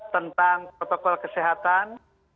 tentang protokol kesehatan